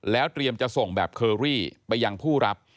แล้วเตรียมจะส่งแบบเคอรี่ไปยังผู้รับ